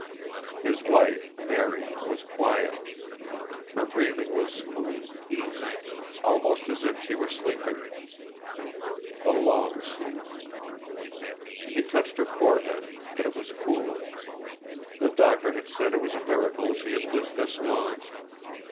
His wife, Mary, was quiet. Her breathing was smooth, easy almost as if she were sleeping. The long sleep. He touched her forehead, but it was cool. The doctor had said it was a miracle she had lived this long.